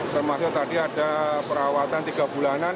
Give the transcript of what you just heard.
termasuk tadi ada perawatan tiga bulanan